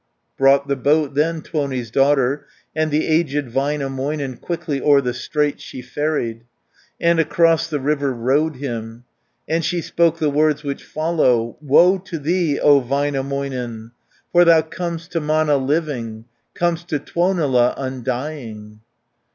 Brought the boat then, Tuoni's daughter. And the aged Väinämöinen 280 Quickly o'er the straight she ferried. And across the river rowed him, And she spoke the words which follow: "Woe to thee, O Väinämöinen, For thou com'st to Mana living, Com'st to Tuonela undying!"